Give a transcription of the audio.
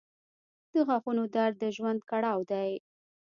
• د غاښونو درد د ژوند کړاو دی.